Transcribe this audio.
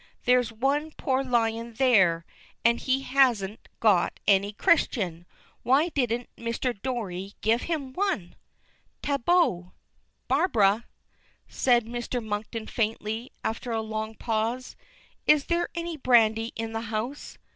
"There is one poor lion there, and he hasn't got any Christian! Why didn't Mr. Dory give him one?" Tableau! "Barbara!" says Mr. Monkton faintly, after a long pause. "Is there any brandy in the house?"